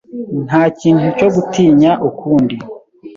Nta kintu cyo gutinya ukundi.